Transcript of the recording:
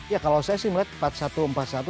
ya kalau saya sih melihat empat satu empat satu